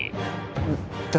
誰？